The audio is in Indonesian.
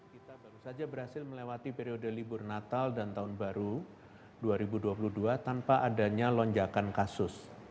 kita baru saja berhasil melewati periode libur natal dan tahun baru dua ribu dua puluh dua tanpa adanya lonjakan kasus